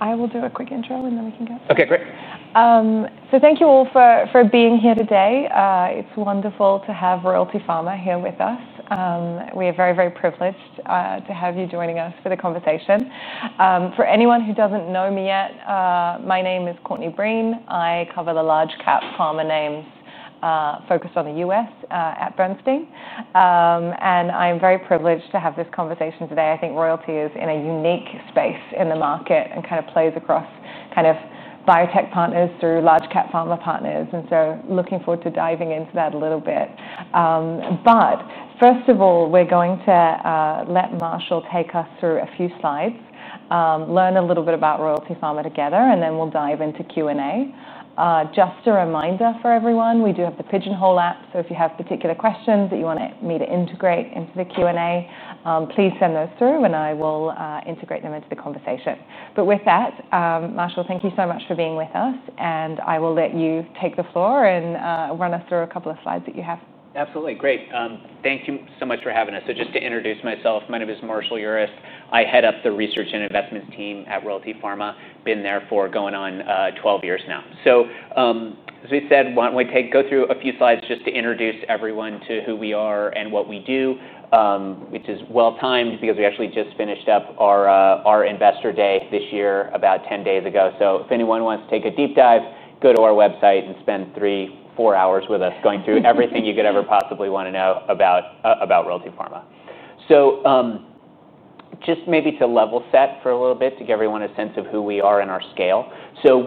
All right, I will do a quick intro and then we can go. Okay, great. Thank you all for being here today. It's wonderful to have Royalty Pharma here with us. We are very, very privileged to have you joining us for the conversation. For anyone who doesn't know me yet, my name is Courtney Breen. I cover the large-cap pharma names focused on the U.S. at Bernstein. I'm very privileged to have this conversation today. I think Royalty Pharma is in a unique space in the market and kind of plays across biotech partners through large-cap pharma partners. I am looking forward to diving into that a little bit. First of all, we're going to let Marshall take us through a few slides, learn a little bit about Royalty Pharma together, and then we'll dive into Q&A. Just a reminder for everyone, we do have the Pigeonhole app. If you have particular questions that you want me to integrate into the Q&A, please send those through and I will integrate them into the conversation. With that, Marshall, thank you so much for being with us. I will let you take the floor and run us through a couple of slides that you have. Absolutely. Great. Thank you so much for having us. Just to introduce myself, my name is Marshall Urist. I head up the Research and Investments team at Royalty Pharma. Been there for going on 12 years now. Why don't we go through a few slides just to introduce everyone to who we are and what we do, which is well timed because we actually just finished up our investor day this year about 10 days ago. If anyone wants to take a deep dive, go to our website and spend three, four hours with us going through everything you could ever possibly want to know about Royalty Pharma. Maybe to level set for a little bit to give everyone a sense of who we are and our scale.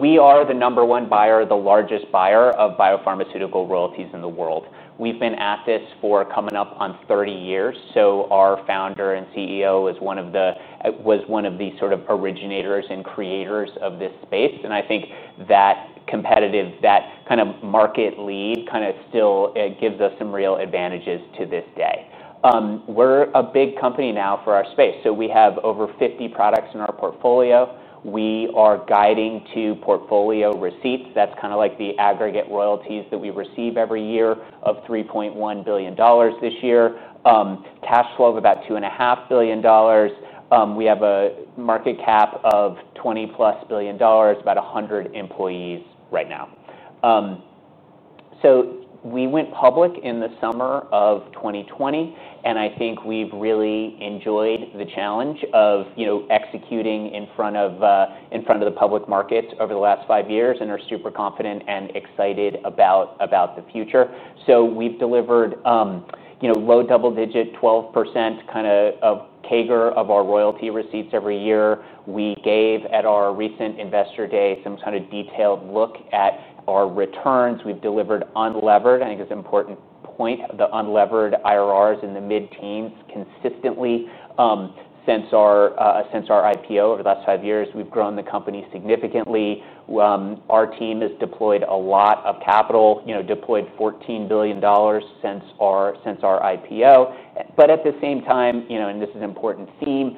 We are the number one buyer, the largest buyer of biopharmaceutical royalties in the world. We've been at this for coming up on 30 years. Our founder and CEO was one of the sort of originators and creators of this space. I think that competitive, that kind of market lead kind of still gives us some real advantages to this day. We're a big company now for our space. We have over 50 products in our portfolio. We are guiding to portfolio receipts, that's kind of like the aggregate royalties that we receive every year, of $3.1 billion this year. Cash flow of about $2.5 billion. We have a market cap of $20+ billion, about 100 employees right now. We went public in the summer of 2020. I think we've really enjoyed the challenge of executing in front of the public market over the last five years and are super confident and excited about the future. We've delivered low double-digit 12% kind of CAGR of our royalty receipts every year. We gave at our recent investor day some kind of detailed look at our returns. We've delivered unlevered, I think it's an important point, the unlevered IRRs in the mid-teens consistently since our IPO over the last five years. We've grown the company significantly. Our team has deployed a lot of capital, deployed $14 billion since our IPO. At the same time, and this is an important theme,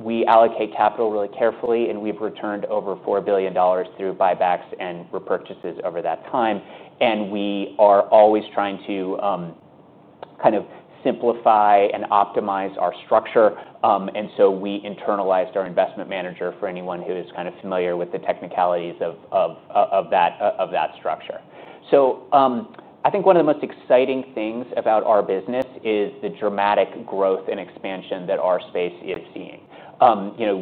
we allocate capital really carefully. We've returned over $4 billion through buybacks and repurchases over that time. We are always trying to kind of simplify and optimize our structure. We internalized our investment manager for anyone who is kind of familiar with the technicalities of that structure. I think one of the most exciting things about our business is the dramatic growth and expansion that our space is seeing.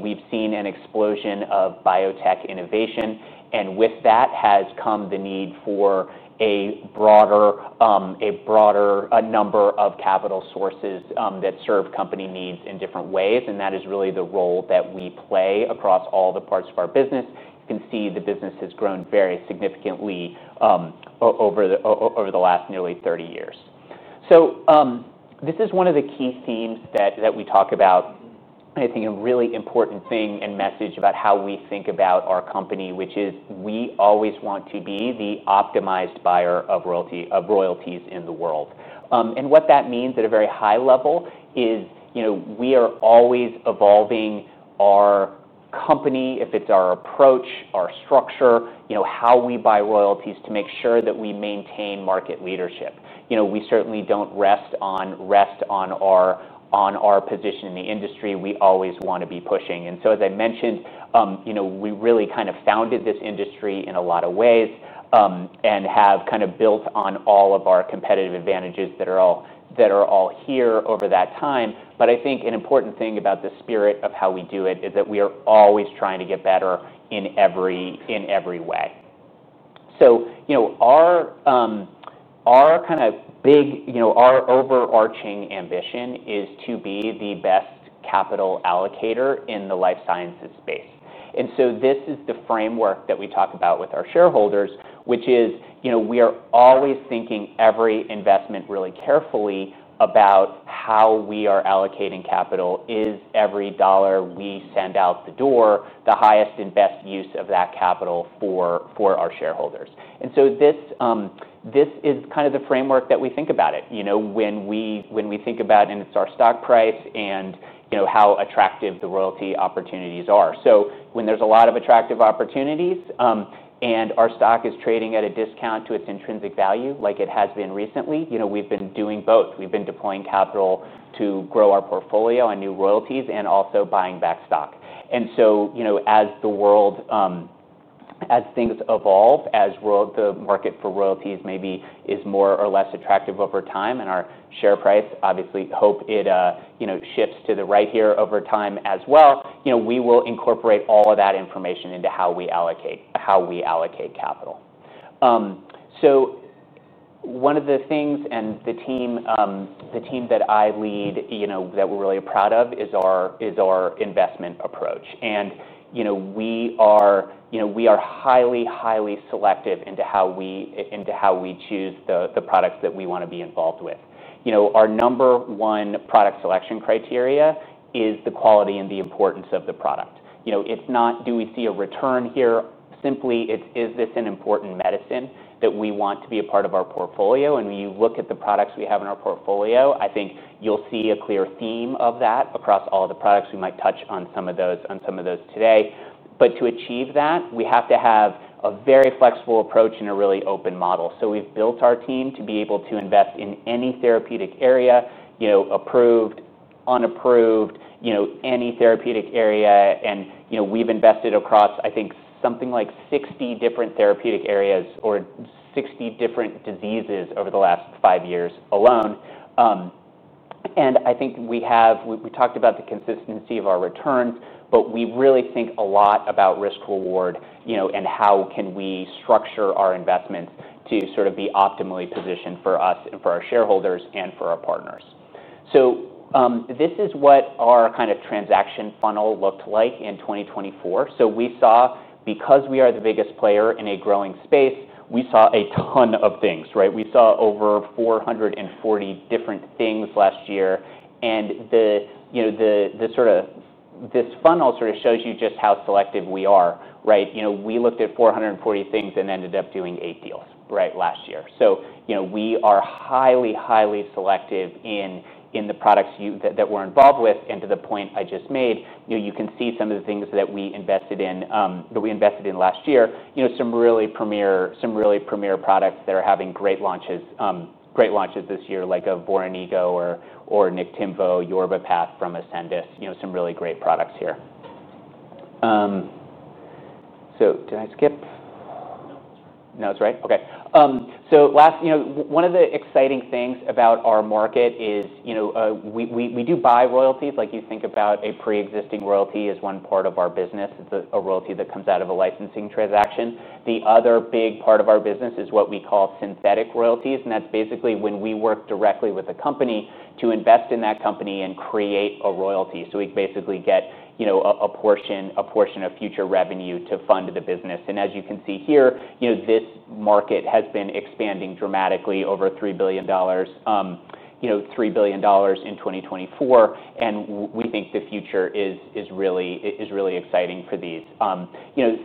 We've seen an explosion of biotech innovation, and with that has come the need for a broader number of capital sources that serve company needs in different ways. That is really the role that we play across all the parts of our business. You can see the business has grown very significantly over the last nearly 30 years. This is one of the key themes that we talk about. I think a really important thing and message about how we think about our company, which is we always want to be the optimized buyer of royalties in the world. What that means at a very high level is we are always evolving our company, if it's our approach, our structure, how we buy royalties to make sure that we maintain market leadership. We certainly don't rest on our position in the industry. We always want to be pushing. As I mentioned, we really kind of founded this industry in a lot of ways and have kind of built on all of our competitive advantages that are all here over that time. I think an important thing about the spirit of how we do it is that we are always trying to get better in every way. Our kind of big, our overarching ambition is to be the best capital allocator in the life sciences space. This is the framework that we talk about with our shareholders, which is we are always thinking every investment really carefully about how we are allocating capital. Is every dollar we send out the door the highest and best use of that capital for our shareholders? This is kind of the framework that we think about it. When we think about it, and it's our stock price and how attractive the royalty opportunities are. When there's a lot of attractive opportunities and our stock is trading at a discount to its intrinsic value, like it has been recently, we've been doing both. We've been deploying capital to grow our portfolio and new royalties and also buying back stock. As the world, as things evolve, as the market for royalties maybe is more or less attractive over time and our share price, obviously hope it shifts to the right here over time as well, we will incorporate all of that information into how we allocate capital. One of the things and the team that I lead that we're really proud of is our investment approach. We are highly, highly selective in how we choose the products that we want to be involved with. Our number one product selection criteria is the quality and the importance of the product. It's not do we see a return here? Simply, is this an important medicine that we want to be a part of our portfolio? When you look at the products we have in our portfolio, I think you'll see a clear theme of that across all the products. We might touch on some of those today. To achieve that, we have to have a very flexible approach and a really open model. We've built our team to be able to invest in any therapeutic area, approved, unapproved, any therapeutic area. We've invested across, I think, something like 60 different therapeutic areas or 60 different diseases over the last five years alone. I think we talked about the consistency of our returns, but we really think a lot about risk-reward and how we can structure our investments to be optimally positioned for us and for our shareholders and for our partners. This is what our kind of transaction funnel looked like in 2024. We saw, because we are the biggest player in a growing space, a ton of things. We saw over 440 different things last year. This funnel shows you just how selective we are. We looked at 440 things and ended up doing eight deals last year. We are highly, highly selective in the products that we're involved with. To the point I just made, you can see some of the things that we invested in last year, some really premier products that are having great launches this year, like Voranigo or Niktimvo, Yorvipath from Ascendis. Some really great products here. Did I skip? No, it's right. One of the exciting things about our market is we do buy royalties. You think about a pre-existing royalty as one part of our business. It's a royalty that comes out of a licensing transaction. The other big part of our business is what we call synthetic royalties. That's basically when we work directly with a company to invest in that company and create a royalty. We basically get a portion of future revenue to fund the business. As you can see here, this market has been expanding dramatically, over $3 billion in 2024. We think the future is really exciting for these.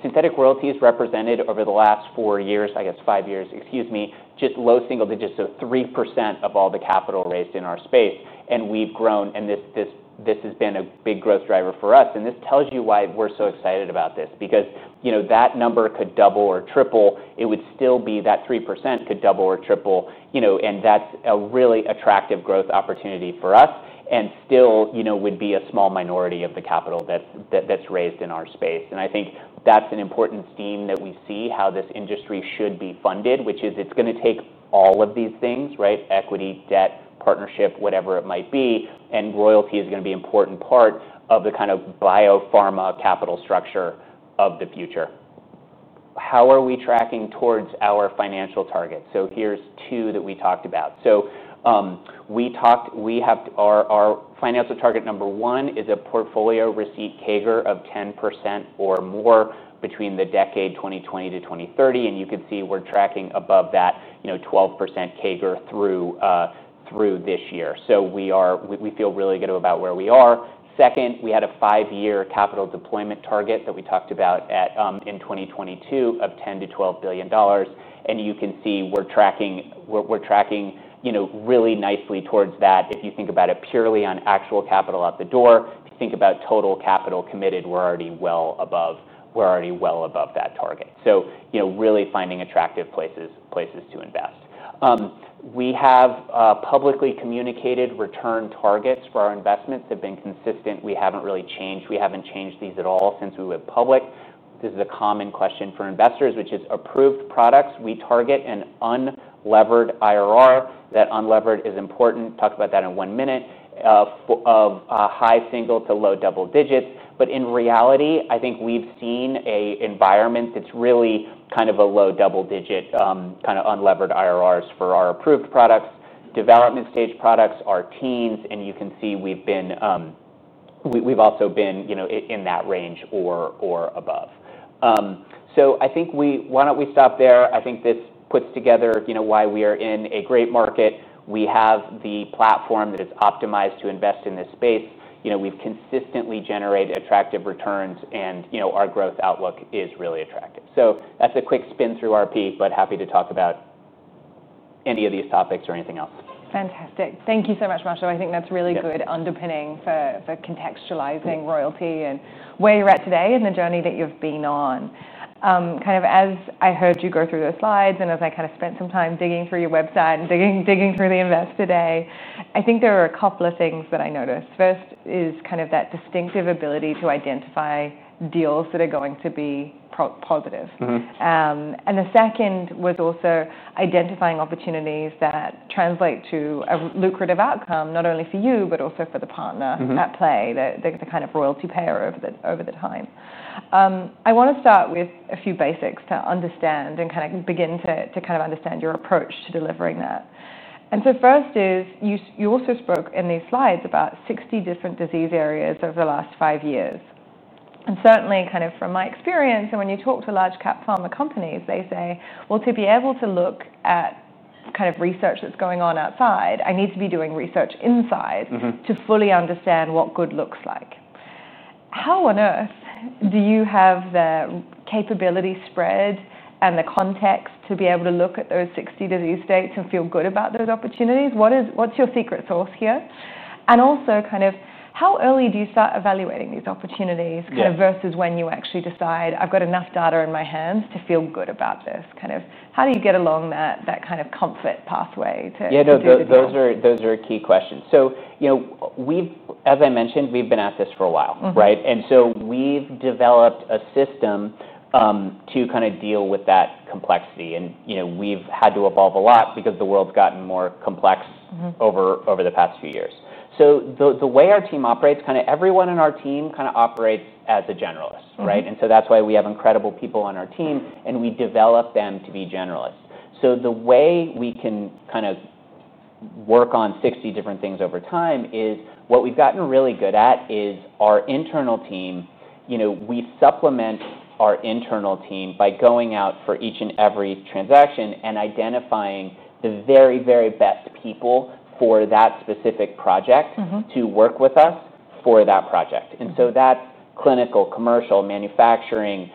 Synthetic royalty has represented over the last four years, I guess five years, excuse me, just low single-digits of 3% of all the capital raised in our space. We've grown, and this has been a big growth driver for us. This tells you why we're so excited about this, because that number could double or triple. It would still be that 3% could double or triple. That's a really attractive growth opportunity for us and still would be a small minority of the capital that's raised in our space. I think that's an important theme that we see how this industry should be funded, which is it's going to take all of these things, equity, debt, partnership, whatever it might be. Royalty is going to be an important part of the kind of biopharma capital structure of the future. How are we tracking towards our financial targets? Here's two that we talked about. We have our financial target number one is a portfolio receipt CAGR of 10% or more between the decade 2020-2030. You can see we're tracking above that 12% CAGR through this year. We feel really good about where we are. Second, we had a five-year capital deployment target that we talked about in 2022 of $10 billion-$12 billion. You can see we're tracking really nicely towards that. If you think about it purely on actual capital out the door, if you think about total capital committed, we're already well above that target. Really finding attractive places to invest. We have publicly communicated return targets for our investments that have been consistent. We haven't really changed. We haven't changed these at all since we went public. This is a common question for investors, which is approved products. We target an unlevered IRR. That unlevered is important. Talk about that in one minute of high single to low double-digits. In reality, I think we've seen an environment that's really kind of a low double-digit kind of unlevered IRRs for our approved products. Development stage products are teens. You can see we've also been in that range or above. I think why don't we stop there? I think this puts together why we are in a great market. We have the platform that is optimized to invest in this space. We've consistently generated attractive returns. Our growth outlook is really attractive. That's a quick spin through our piece, but happy to talk about any of these topics or anything else. Fantastic. Thank you so much, Marshall. I think that's really good underpinning for contextualizing royalty and where you're at today in the journey that you've been on. As I heard you go through those slides and as I spent some time digging through your website and digging through the invest today, I think there are a couple of things that I noticed. First is that distinctive ability to identify deals that are going to be positive. The second was also identifying opportunities that translate to a lucrative outcome, not only for you, but also for the partner at play, the royalty payer over the time. I want to start with a few basics to understand and begin to understand your approach to delivering that. First is you also spoke in these slides about 60 different disease areas over the last five years. Certainly, from my experience, and when you talk to large-cap pharma companies, they say, to be able to look at research that's going on outside, I need to be doing research inside to fully understand what good looks like. How on earth do you have the capability spread and the context to be able to look at those 60 disease states and feel good about those opportunities? What's your secret sauce here? Also, how early do you start evaluating these opportunities versus when you actually decide, I've got enough data in my hands to feel good about this? How do you get along that comfort pathway? Yeah, those are key questions. We've, as I mentioned, been at this for a while. We've developed a system to kind of deal with that complexity. We've had to evolve a lot because the world's gotten more complex over the past few years. The way our team operates, everyone in our team kind of operates as a generalist. That's why we have incredible people on our team, and we develop them to be generalists. The way we can work on 60 different things over time is what we've gotten really good at, which is our internal team. We supplement our internal team by going out for each and every transaction and identifying the very, very best people for that specific project to work with us for that project. That's clinical, commercial, manufacturing,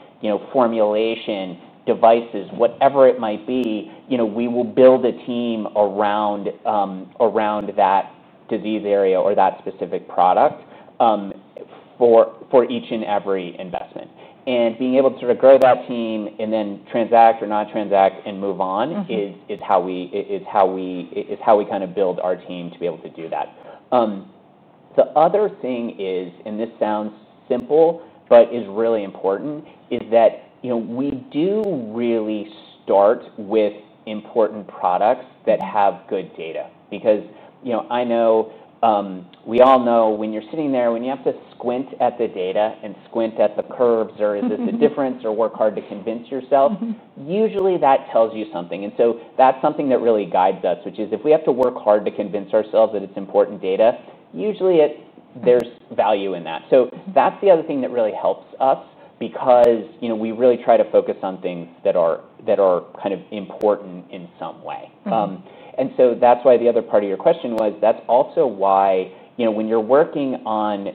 formulation, devices, whatever it might be. We will build a team around that disease area or that specific product for each and every investment. Being able to grow that team and then transact or not transact and move on is how we build our team to be able to do that. The other thing is, and this sounds simple but is really important, we do really start with important products that have good data. I know we all know when you're sitting there, when you have to squint at the data and squint at the curves, or is this a difference, or work hard to convince yourself, usually that tells you something. That's something that really guides us, which is if we have to work hard to convince ourselves that it's important data, usually there's value in that. That's the other thing that really helps us because we really try to focus on things that are kind of important in some way. The other part of your question was that's also why when you're working on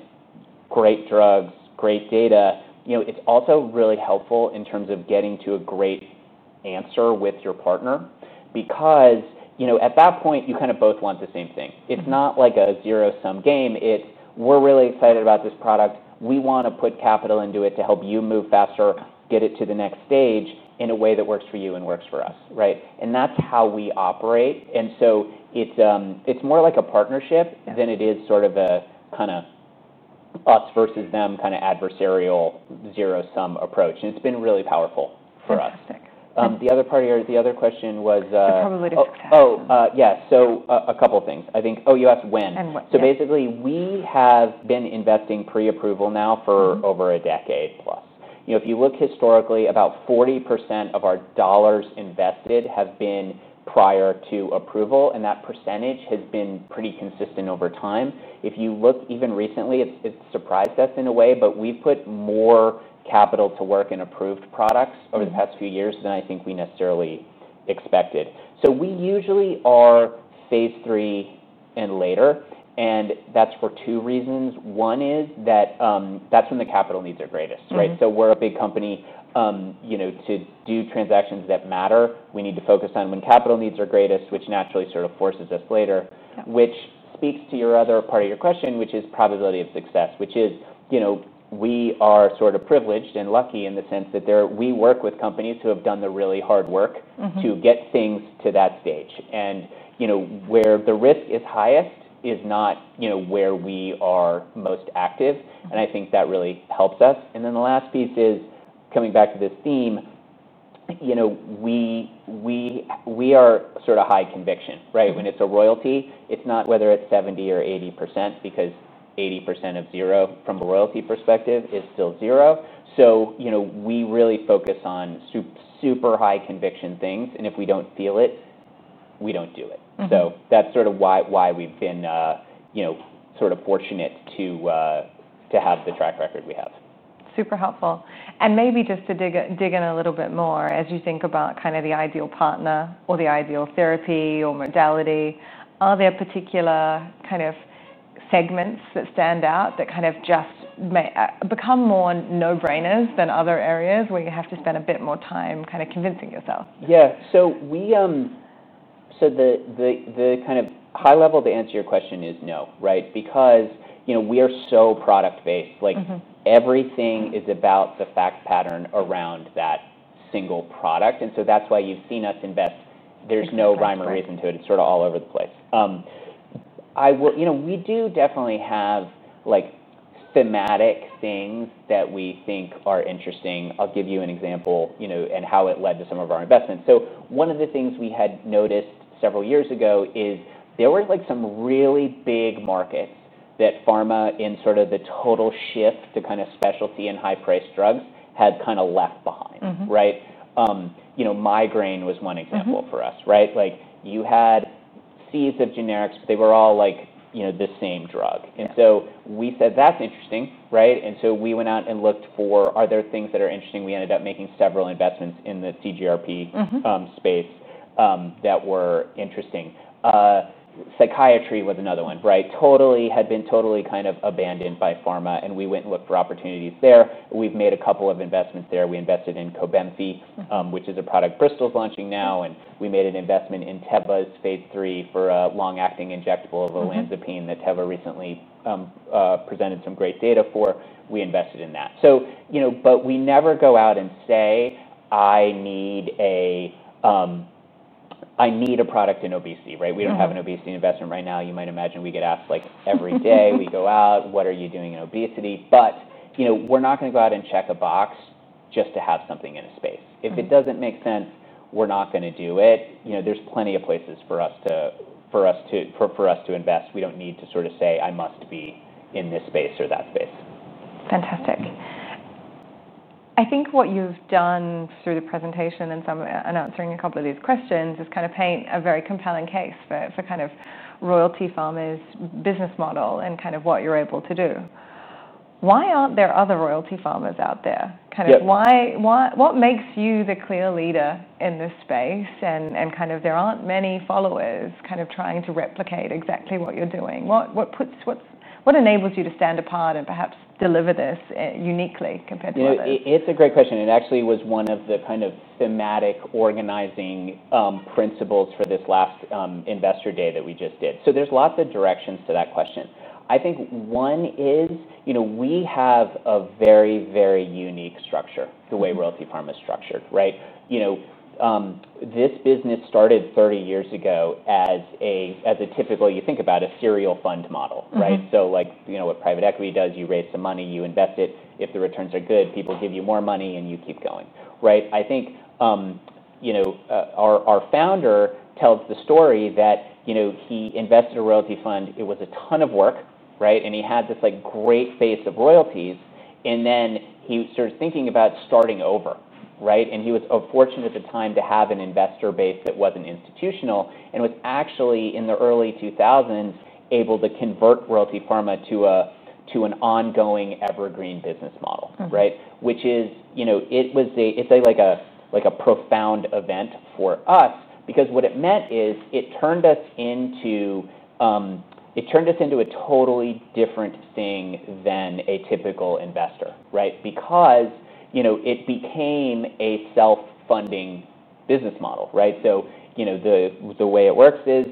great drugs, great data, it's also really helpful in terms of getting to a great answer with your partner. At that point, you kind of both want the same thing. It's not like a zero-sum game. We're really excited about this product. We want to put capital into it to help you move faster, get it to the next stage in a way that works for you and works for us. That's how we operate. It's more like a partnership than it is sort of a kind of us versus them adversarial zero-sum approach. It's been really powerful for us. Fantastic. The other part of your question was. It's probably the success. Yeah, a couple of things. I think you asked when. And when. We have been investing pre-approval now for over a decade plus. If you look historically, about 40% of our dollars invested have been prior to approval, and that percentage has been pretty consistent over time. If you look even recently, it's a surprise in a way, but we've put more capital to work in approved products over the past few years than I think we necessarily expected. We usually are phase III and later, and that's for two reasons. One is that that's when the capital needs are greatest. We're a big company. To do transactions that matter, we need to focus on when capital needs are greatest, which naturally sort of forces us later, which speaks to your other part of your question, which is probability of success. We are sort of privileged and lucky in the sense that we work with companies who have done the really hard work to get things to that stage. Where the risk is highest is not where we are most active, and I think that really helps us. The last piece is coming back to this theme. We are sort of high conviction. When it's a royalty, it's not whether it's 70% or 80% because 80% of zero from a royalty perspective is still zero. We really focus on super high conviction things, and if we don't feel it, we don't do it. That's sort of why we've been fortunate to have the track record we have. Super helpful. Maybe just to dig in a little bit more, as you think about kind of the ideal partner or the ideal therapy or modality, are there particular kind of segments that stand out that just become more no-brainers than other areas where you have to spend a bit more time convincing yourself? Yeah. The kind of high level to answer your question is no, because we are so product-based. Everything is about the fact pattern around that single product. That's why you've seen us invest. There's no rhyme or reason to it. It's sort of all over the place. We definitely have thematic things that we think are interesting. I'll give you an example and how it led to some of our investments. One of the things we had noticed several years ago is there were some really big markets that pharma, in the total shift to specialty and high-priced drugs, had kind of left behind. Migraine was one example for us. You had seeds of generics, but they were all the same drug. We said, that's interesting. We went out and looked for, are there things that are interesting? We ended up making several investments in the CGRP space that were interesting. Psychiatry was another one. It had been totally abandoned by pharma. We went and looked for opportunities there. We've made a couple of investments there. We invested in Cobenfy, which is a product Bristol's launching now. We made an investment in Teva's phase III for a long-acting injectable of olanzapine that Teva recently presented some great data for. We invested in that. We never go out and say, I need a product in obesity. We don't have an obesity investment right now. You might imagine we get asked every day we go out, what are you doing in obesity? We're not going to go out and check a box just to have something in a space. If it doesn't make sense, we're not going to do it. There are plenty of places for us to invest. We don't need to say, I must be in this space or that space. Fantastic. I think what you've done through the presentation and answering a couple of these questions is paint a very compelling case for Royalty Pharma's business model and what you're able to do. Why aren't there other royalty farmers out there? What makes you the clear leader in this space? There aren't many followers trying to replicate exactly what you're doing. What enables you to stand apart and perhaps deliver this uniquely compared to others? It's a great question. It actually was one of the kind of thematic organizing principles for this last investor day that we just did. There are lots of directions to that question. I think one is we have a very, very unique structure, the way Royalty Pharma is structured. This business started 30 years ago as a typical, you think about a serial fund model. Like what private equity does, you raise some money, you invest it. If the returns are good, people give you more money and you keep going. I think our founder tells the story that he invested in a royalty fund. It was a ton of work. He had this great phase of royalties. He was sort of thinking about starting over. He was fortunate at the time to have an investor base that wasn't institutional and was actually in the early 2000s able to convert Royalty Pharma to an ongoing evergreen business model, which was a profound event for us because what it meant is it turned us into a totally different thing than a typical investor because it became a self-funding business model. The way it works is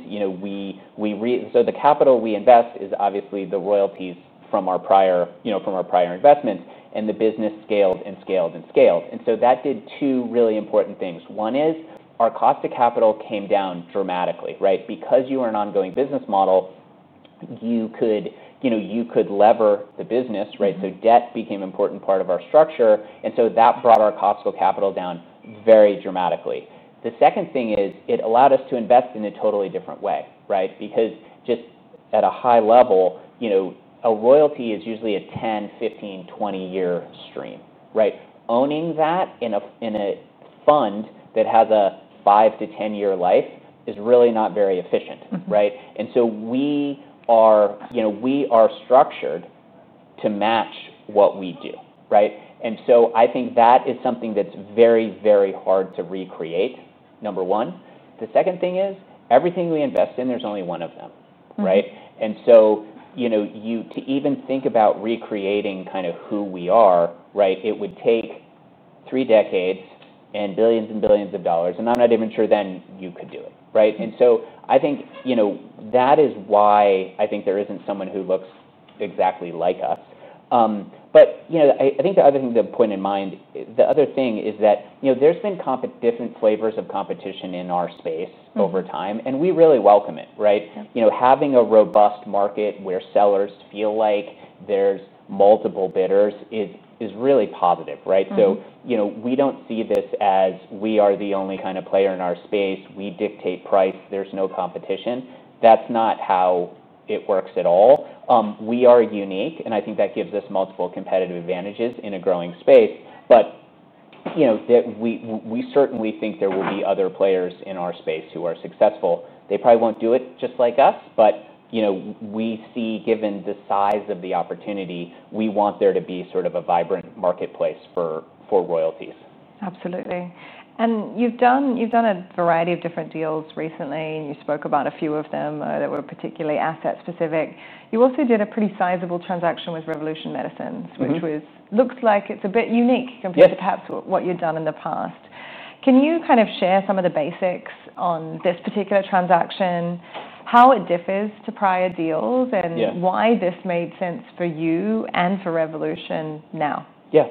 the capital we invest is obviously the royalties from our prior investments. The business scaled and scaled and scaled. That did two really important things. One is our cost of capital came down dramatically. Because you were an ongoing business model, you could lever the business. Debt became an important part of our structure. That brought our cost of capital down very dramatically. The second thing is it allowed us to invest in a totally different way. Just at a high level, a royalty is usually a 10, 15, 20-year stream. Owning that in a fund that has a 5-10-year life is really not very efficient. We are structured to match what we do. I think that is something that's very, very hard to recreate, number one. The second thing is everything we invest in, there's only one of them. To even think about recreating kind of who we are, it would take three decades and billions and billions of dollars. I'm not even sure then you could do it. I think that is why I think there isn't someone who looks exactly like us. The other thing to put in mind, the other thing is that there's been different flavors of competition in our space over time. We really welcome it. Having a robust market where sellers feel like there's multiple bidders is really positive. We don't see this as we are the only kind of player in our space. We dictate price, there's no competition. That's not how it works at all. We are unique, and I think that gives us multiple competitive advantages in a growing space. We certainly think there will be other players in our space who are successful. They probably won't do it just like us, but we see, given the size of the opportunity, we want there to be sort of a vibrant marketplace for royalties. Absolutely. You've done a variety of different deals recently, and you spoke about a few of them that were particularly asset-specific. You also did a pretty sizable transaction with Revolution Medicines, which looks like it's a bit unique compared to perhaps what you've done in the past. Can you share some of the basics on this particular transaction, how it differs to prior deals, and why this made sense for you and for Revolution now? Yeah,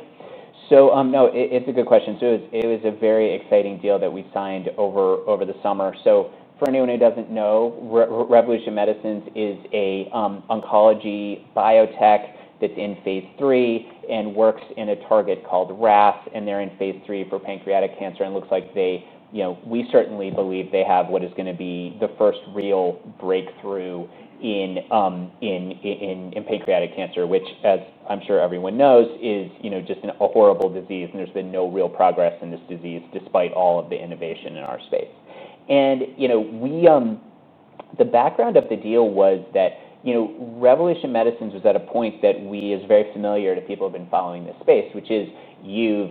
it's a good question. It was a very exciting deal that we signed over the summer. For anyone who doesn't know, Revolution Medicines is an oncology biotech that's in phase III and works in a target called RAS. They're in phase III for pancreatic cancer. It looks like they, we certainly believe they have what is going to be the first real breakthrough in pancreatic cancer, which, as I'm sure everyone knows, is just a horrible disease. There's been no real progress in this disease despite all of the innovation in our space. The background of the deal was that Revolution Medicines was at a point that is very familiar to people who have been following this space, which is you've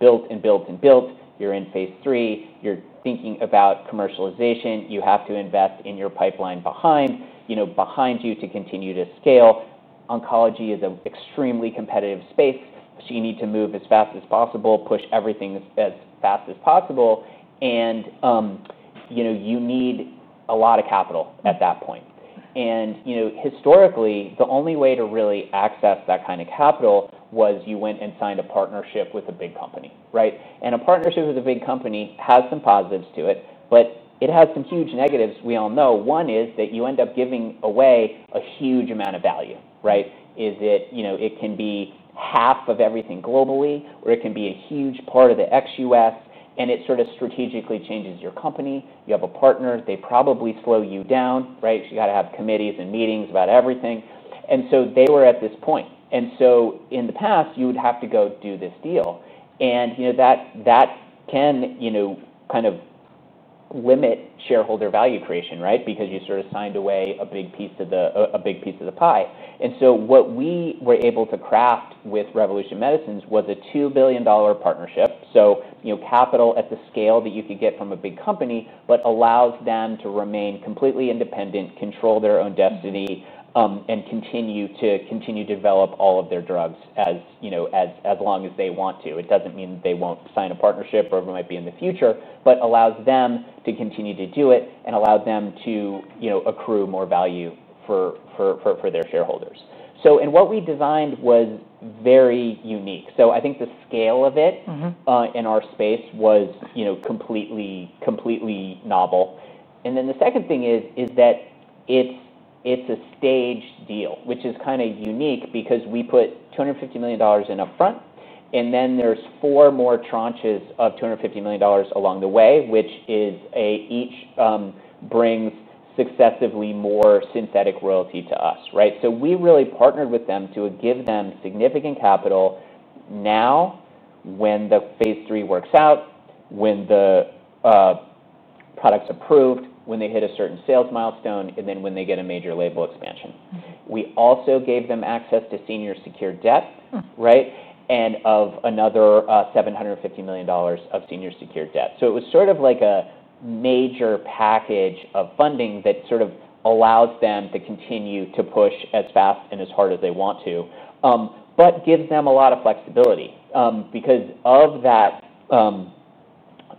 built and built and built. You're in phase III. You're thinking about commercialization. You have to invest in your pipeline behind you to continue to scale. Oncology is an extremely competitive space. You need to move as fast as possible, push everything as fast as possible. You need a lot of capital at that point. Historically, the only way to really access that kind of capital was you went and signed a partnership with a big company. A partnership with a big company has some positives to it, but it has some huge negatives, we all know. One is that you end up giving away a huge amount of value. It can be half of everything globally, or it can be a huge part of the ex-U.S. It sort of strategically changes your company. You have a partner. They probably slow you down. You have to have committees and meetings about everything. They were at this point. In the past, you would have to go do this deal. That can kind of limit shareholder value creation because you sort of signed away a big piece of the pie. What we were able to craft with Revolution Medicines was a $2 billion partnership, so capital at the scale that you could get from a big company, but allows them to remain completely independent, control their own destiny, and continue to develop all of their drugs as long as they want to. It doesn't mean that they won't sign a partnership or it might be in the future, but allows them to continue to do it and allow them to accrue more value for their shareholders. What we designed was very unique. The scale of it in our space was completely, completely novel. The second thing is that it's a staged deal, which is kind of unique because we put $250 million in upfront. There are four more tranches of $250 million along the way, each bringing successively more synthetic royalty to us. We really partnered with them to give them significant capital now when the phase III works out, when the product's approved, when they hit a certain sales milestone, and when they get a major label expansion. We also gave them access to senior secured debt and another $750 million of senior secured debt. It was a major package of funding that allows them to continue to push as fast and as hard as they want to, but gives them a lot of flexibility.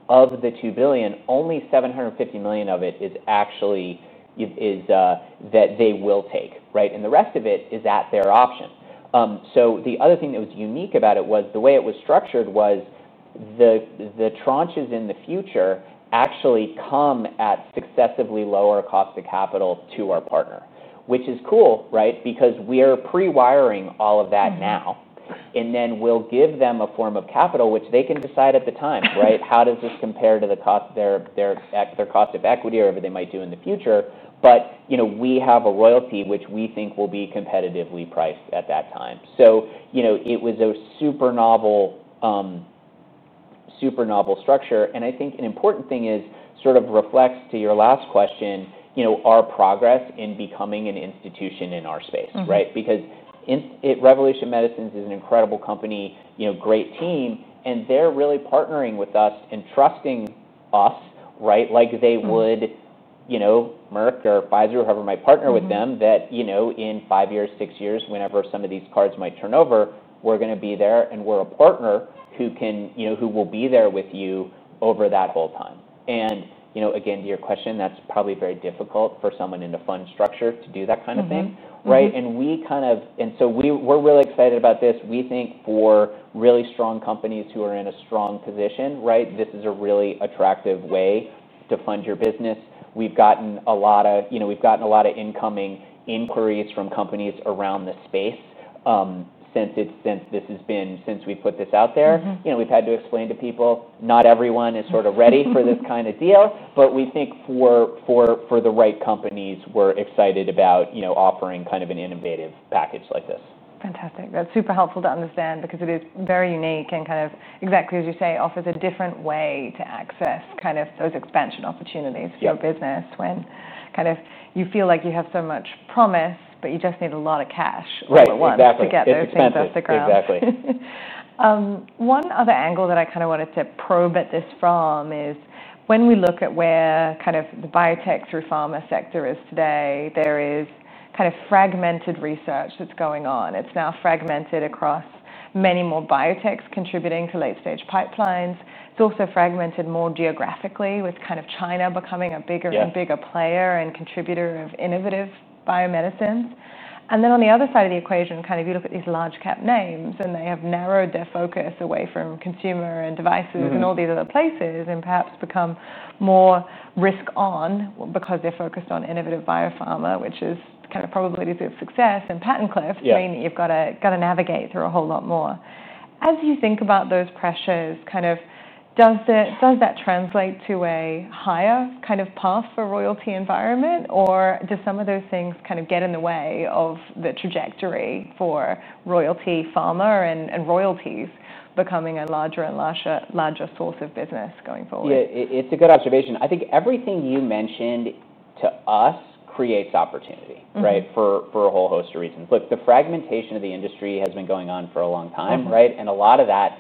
Of the $2 billion, only $750 million of it is actually that they will take. The rest of it is at their option. Another unique aspect was the way it was structured: the tranches in the future actually come at successively lower cost of capital to our partner, which is cool because we are pre-wiring all of that now. We will give them a form of capital, which they can decide at the time, how does this compare to their cost of equity or whatever they might do in the future. We have a royalty, which we think will be competitively priced at that time. It was a super novel structure. An important thing is it reflects, to your last question, our progress in becoming an institution in our space. Revolution Medicines is an incredible company, great team. They are really partnering with us and trusting us like they would Merck or Pfizer or whoever might partner with them, that in five years, six years, whenever some of these cards might turn over, we're going to be there. We are a partner who will be there with you over that whole time. To your question, that's probably very difficult for someone in a fund structure to do that kind of thing. We are really excited about this. We think for really strong companies who are in a strong position, this is a really attractive way to fund your business. We've gotten a lot of incoming inquiries from companies around the space since we put this out there. We've had to explain to people, not everyone is ready for this kind of deal. For the right companies, we're excited about offering an innovative package like this. Fantastic. That's super helpful to understand because it is very unique and, exactly as you say, offers a different way to access those expansion opportunities for your business when you feel like you have so much promise, but you just need a lot of cash all at once to get those things off the ground. Exactly. One other angle that I kind of wanted to probe at this from is when we look at where kind of the biotech through pharma sector is today, there is kind of fragmented research that's going on. It's now fragmented across many more biotechs contributing to late-stage pipelines. It's also fragmented more geographically with kind of China becoming a bigger and bigger player and contributor of innovative biomedicines. On the other side of the equation, you look at these large-cap names and they have narrowed their focus away from consumer and devices and all these other places and perhaps become more risk-on because they're focused on innovative biopharma, which is kind of probably the success and patent cliff. I mean, you've got to navigate through a whole lot more. As you think about those pressures, does that translate to a higher kind of path for royalty environment? Do some of those things get in the way of the trajectory for Royalty Pharma and royalties becoming a larger and larger source of business going forward? Yeah, it's a good observation. I think everything you mentioned to us creates opportunity for a whole host of reasons. The fragmentation of the industry has been going on for a long time. A lot of that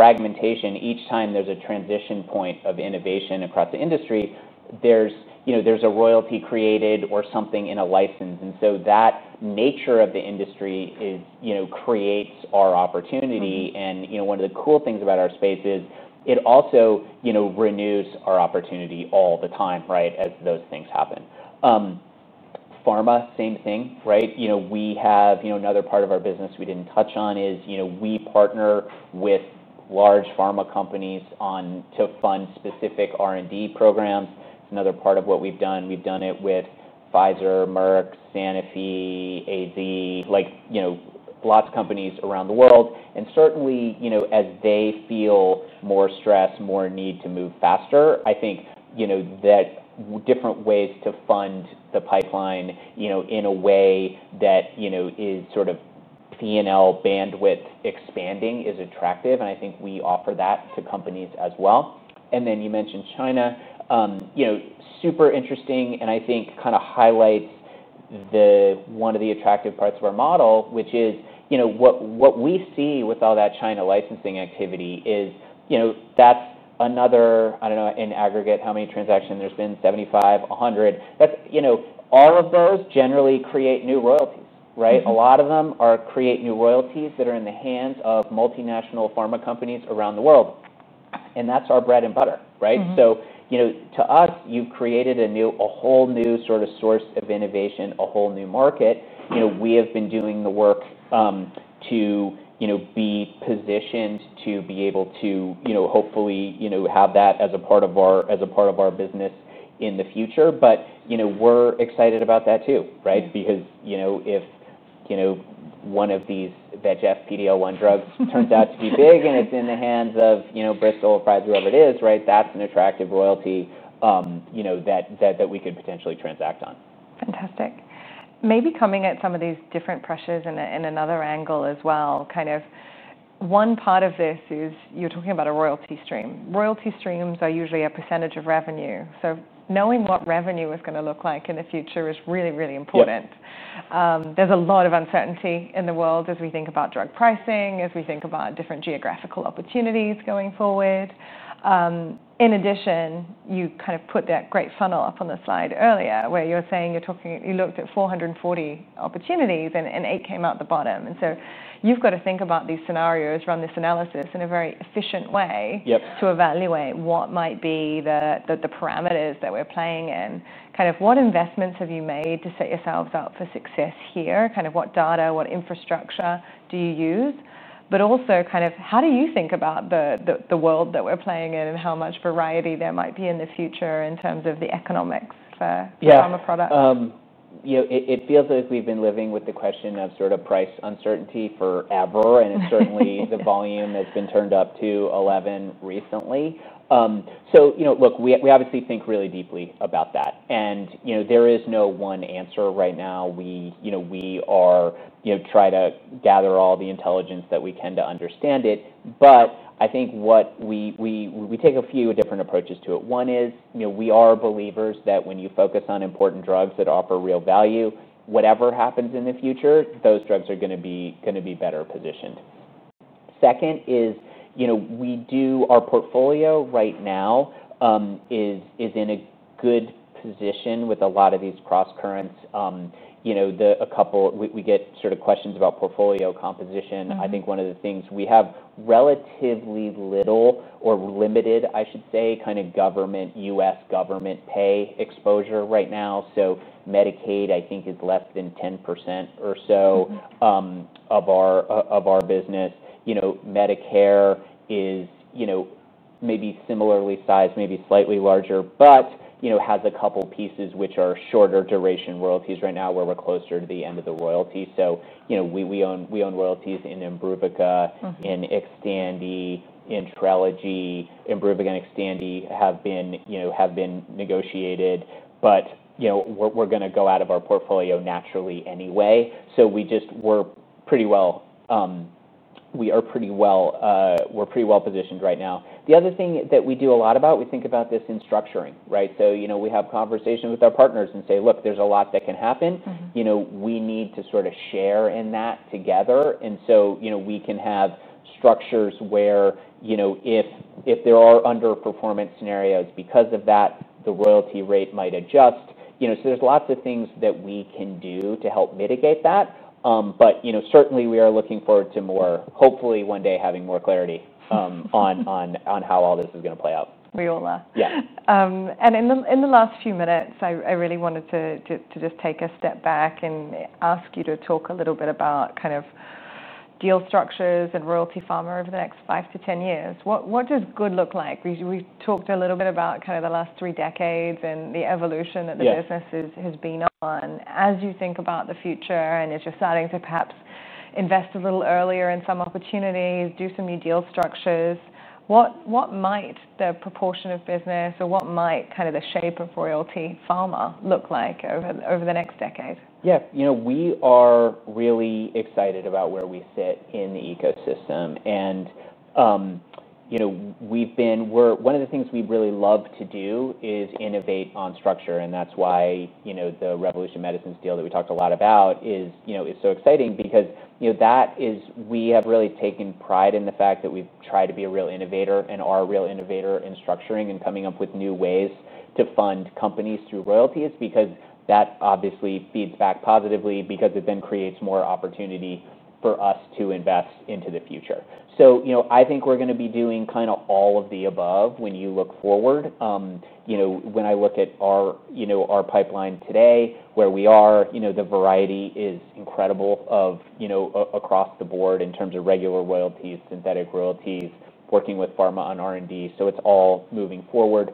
fragmentation, each time there's a transition point of innovation across the industry, there's a royalty created or something in a license. That nature of the industry creates our opportunity. One of the cool things about our space is it also renews our opportunity all the time as those things happen. Pharma, same thing. We have another part of our business we didn't touch on. We partner with large pharma companies to fund specific R&D programs. Another part of what we've done, we've done it with Pfizer, Merck, Sanofi, AZ, lots of companies around the world. Certainly, as they feel more stress, more need to move faster, I think that different ways to fund the pipeline in a way that is sort of P&L bandwidth expanding is attractive. I think we offer that to companies as well. You mentioned China. Super interesting. I think it kind of highlights one of the attractive parts of our model, which is what we see with all that China licensing activity is that's another, I don't know, in aggregate how many transactions there's been, 75, 100. All of those generally create new royalties. A lot of them create new royalties that are in the hands of multinational pharma companies around the world. That's our bread and butter. To us, you've created a whole new sort of source of innovation, a whole new market. We have been doing the work to be positioned to be able to hopefully have that as a part of our business in the future. We're excited about that too. If one of these VEGF PD-L1 drugs turns out to be big and it's in the hands of Bristol or Pfizer or whoever it is, that's an attractive royalty that we could potentially transact on. Fantastic. Maybe coming at some of these different pressures in another angle as well, one part of this is you're talking about a royalty stream. Royalty streams are usually a percentage of revenue, so knowing what revenue is going to look like in the future is really, really important. There's a lot of uncertainty in the world as we think about drug pricing, as we think about different geographical opportunities going forward. In addition, you put that great funnel up on the slide earlier where you're saying you looked at 440 opportunities and eight came out the bottom. You've got to think about these scenarios, run this analysis in a very efficient way to evaluate what might be the parameters that we're playing in. What investments have you made to set yourselves up for success here? What data, what infrastructure do you use? Also, how do you think about the world that we're playing in and how much variety there might be in the future in terms of the economics for pharma products? It feels as though we've been living with the question of sort of price uncertainty forever. It's certainly the volume that's been turned up to 11 recently. We obviously think really deeply about that, and there is no one answer right now. We try to gather all the intelligence that we can to understand it. I think we take a few different approaches to it. One is we are believers that when you focus on important drugs that offer real value, whatever happens in the future, those drugs are going to be better positioned. Second is our portfolio right now is in a good position with a lot of these cross-currents. We get questions about portfolio composition. I think one of the things we have relatively little or limited, I should say, kind of U.S. government pay exposure right now. Medicaid, I think, is less than 10% or so of our business. Medicare is maybe similarly sized, maybe slightly larger, but has a couple of pieces which are shorter duration royalties right now where we're closer to the end of the royalty. We own royalties in Imbruvica, in Xtandi, in Trelegy. Imbruvica and Xtandi have been negotiated, but are going to go out of our portfolio naturally anyway. We're pretty well positioned right now. The other thing that we do a lot about, we think about this in structuring. We have conversations with our partners and say, look, there's a lot that can happen. We need to share in that together. We can have structures where if there are underperformance scenarios because of that, the royalty rate might adjust. There are lots of things that we can do to help mitigate that. Certainly, we are looking forward to more, hopefully one day having more clarity on how all this is going to play out. We all are. Yeah. In the last few minutes, I really wanted to just take a step back and ask you to talk a little bit about kind of deal structures and Royalty Pharma over the next 5-10 years. What does good look like? We've talked a little bit about kind of the last three decades and the evolution that the business has been on. As you think about the future and as you're starting to perhaps invest a little earlier in some opportunities, do some new deal structures, what might the proportion of business or what might kind of the shape of Royalty Pharma look like over the next decade? Yeah. We are really excited about where we sit in the ecosystem. One of the things we really love to do is innovate on structure. That is why the Revolution Medicines deal that we talked a lot about is so exciting, because we have really taken pride in the fact that we've tried to be a real innovator and are a real innovator in structuring and coming up with new ways to fund companies through royalties. That obviously feeds back positively because it then creates more opportunity for us to invest into the future. I think we're going to be doing kind of all of the above when you look forward. When I look at our pipeline today, where we are, the variety is incredible across the board in terms of regular royalties, synthetic royalties, working with pharma on R&D. It's all moving forward.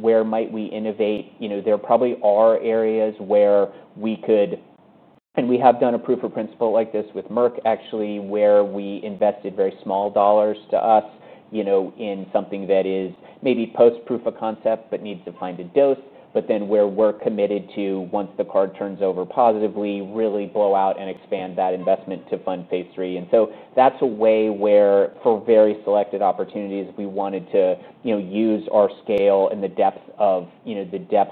Where might we innovate? There probably are areas where we could, and we have done a proof of principle like this with Merck actually, where we invested very small dollars to us in something that is maybe post-proof of concept, but needs to find a dose. Where we're committed to, once the card turns over positively, really blow out and expand that investment to fund phase III. That is a way where for very selected opportunities, we wanted to use our scale and the depth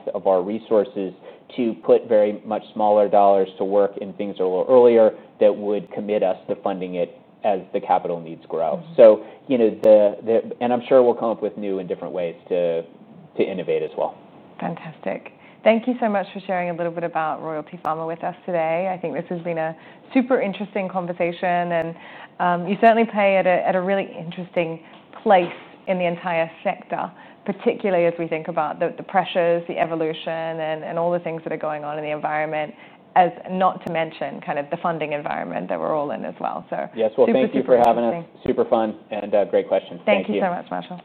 of our resources to put very much smaller dollars to work in things a little earlier that would commit us to funding it as the capital needs grow. I'm sure we'll come up with new and different ways to innovate as well. Fantastic. Thank you so much for sharing a little bit about Royalty Pharma with us today. I think this has been a super interesting conversation. You certainly play at a really interesting place in the entire sector, particularly as we think about the pressures, the evolution, and all the things that are going on in the environment, not to mention kind of the funding environment that we're all in as well. Thank you for having us. Super fun and great questions. Thank you. Thank you so much, Marshall.